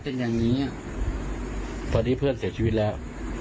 เป็นอย่างนี้ตอนนี้เพื่อนเสียชีวิตแล้ว